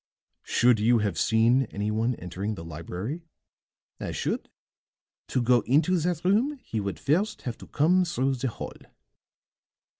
"Should you have seen any one entering the library?" "I should. To go into that room he would first have to come through the hall."